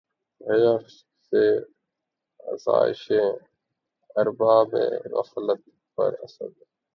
رشک ہے آسایشِ اربابِ غفلت پر اسد!